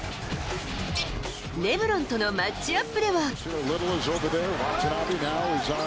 レブロンとのマッチアップでは。